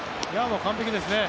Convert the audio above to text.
完璧ですね。